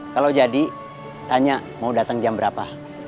kalau jadi tanya mau datang jam berapa